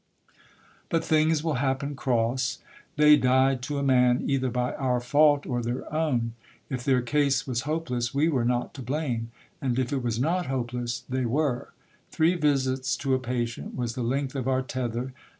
But things will happen cross ; they died to a man, either by our fault or their own. If their case was hopeless, we were not to blame ; and if it was not hopeless, they were. Three visits to a patient was the length of our tether.